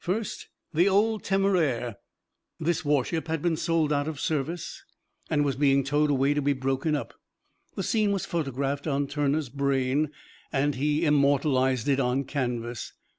First, "The Old Temeraire." This warship had been sold out of service and was being towed away to be broken up. The scene was photographed on Turner's brain, and he immortalized it on canvas.